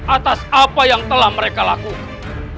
atas apa yang telah mereka lakukan